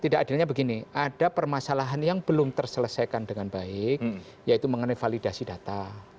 tidak adilnya begini ada permasalahan yang belum terselesaikan dengan baik yaitu mengenai validasi data